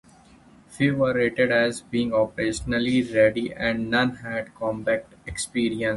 Few were rated as being 'operationally ready' and none had combat experience.